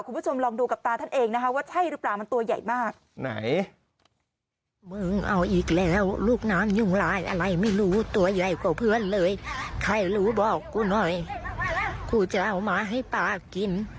คุณผู้ชมลองดูกับตาท่านเองนะคะว่าใช่หรือเปล่ามันตัวใหญ่มากไหน